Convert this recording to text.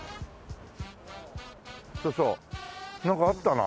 そうそうなんかあったな。